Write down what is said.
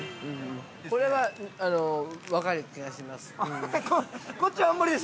これは分かる気がします。